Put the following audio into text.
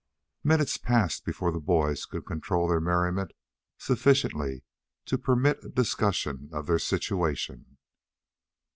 Minutes passed before the boys could control their merriment sufficiently to permit a discussion of their situation.